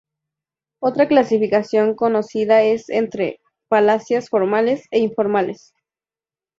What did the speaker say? Otra clasificación conocida es entre falacias formales e informales.